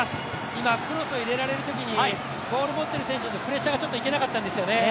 今、クロスを入れられるときにボールを持っている選手にプレッシャーいけなかったんですよね。